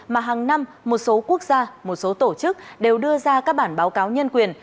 mà hàng năm một số quốc gia một số tổ chức đều đưa ra các bản báo cáo nhân quyền